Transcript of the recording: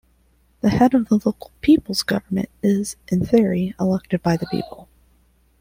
The head of the local People's Government, is, in theory, elected by the people.